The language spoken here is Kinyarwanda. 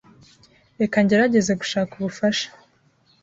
Reka ngerageze gushaka ubufasha.